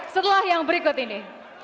setelah yang berikut ini